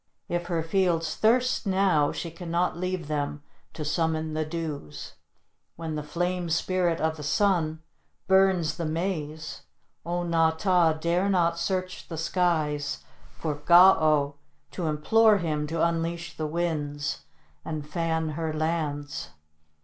If her fields thirst now, she can not leave them to summon the dews. When the Flame Spirit of the Sun burns the maize O na tah dare not search the skies for Ga oh to implore him to unleash the winds and fan her lands.